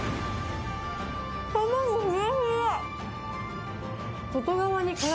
卵ふわふわ！